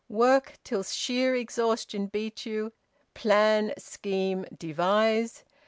Work till sheer exhaustion beat you. Plan, scheme, devise!